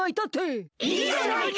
いいじゃないか！